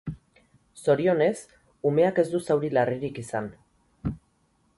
Zorionez, umeak ez du zauri larririk izan.